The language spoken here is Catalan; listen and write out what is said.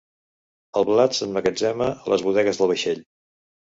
El blat s'emmagatzema a les bodegues del vaixell.